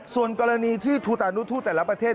ส่วนกรณีที่ทูตานุทูตแต่ละประเทศ